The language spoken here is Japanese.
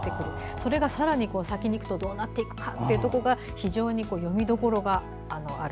それがさらに先にいくとどうなっていくかというのが非常に読みどころがある。